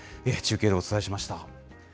中継でお伝えしました。